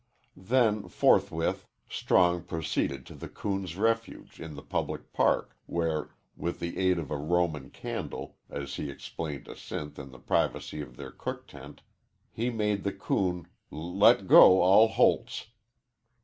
Then, forthwith, Strong proceeded to the coon's refuge, in the public park, where, with the aid of a Roman candle, as he explained to Sinth in the privacy of their cook tent, he made the coon "l let go all holts."